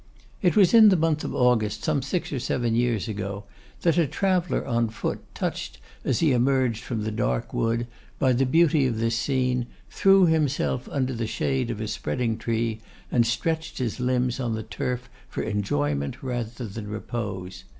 It was in the month of August, some six or seven years ago, that a traveller on foot, touched, as he emerged from the dark wood, by the beauty of this scene, threw himself under the shade of a spreading tree, and stretched his limbs on the turf for enjoyment rather than repose.